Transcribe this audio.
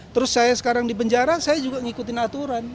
terus saya sekarang di penjara saya juga ngikutin aturan